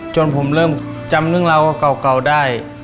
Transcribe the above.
จนผมเริ่มจำเรื่องราวเก่าได้